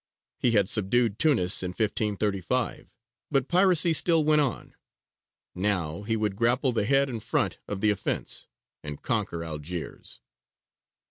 He had subdued Tunis in 1535, but piracy still went on. Now he would grapple the head and front of the offence, and conquer Algiers.